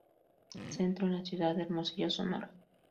Centro, en la ciudad de Hermosillo, Sonora.